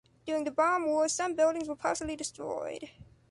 During the bomb war some buildings were partially destroyed.